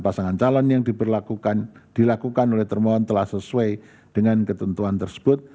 pasangan calon yang dilakukan oleh termohon telah sesuai dengan ketentuan tersebut